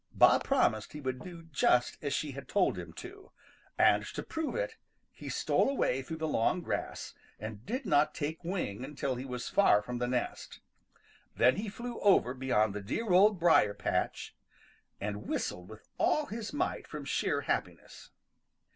Bob promised he would do just as she had told him to, and to prove it he stole away through the long grass and did not take wing until he was far from the nest. Then he flew over beyond the dear Old Briar path and whistled with all his might from sheer happiness.